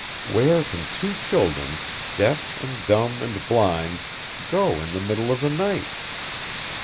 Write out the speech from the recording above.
Where can two children, deaf and dumb and blind go in the middle of the night?